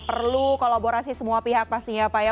perlu kolaborasi semua pihak pastinya pak ya